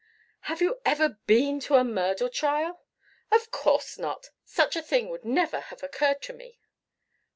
"Have you ever been to a murder trial?" "Of course not. Such a thing would never have occurred to me."